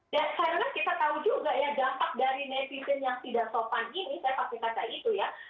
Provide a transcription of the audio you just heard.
dan akhirnya kita tahu juga ya dampak dari netizen yang tidak sopan ini saya pakai kata itu ya